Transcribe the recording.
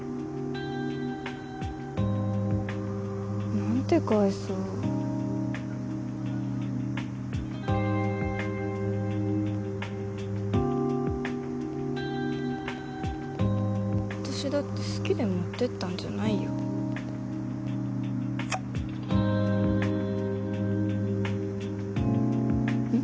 何て返そう私だって好きで持ってったんじゃないようん？